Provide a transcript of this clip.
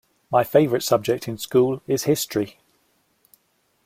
My favorite subject in school is history.